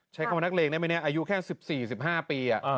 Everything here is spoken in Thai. ใช้คำว่านักเลงได้ไหมเนี่ยอายุแค่๑๔๑๕ปี